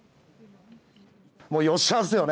もうよっしゃあっすよね。